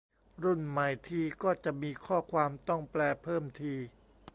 รุ่นใหม่ทีก็จะมีข้อความต้องแปลเพิ่มที